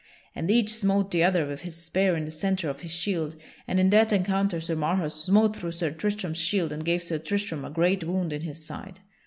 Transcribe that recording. And each smote the other with his spear in the centre of his shield, and in that encounter Sir Marhaus smote through Sir Tristram's shield and gave Sir Tristram a great wound in his side.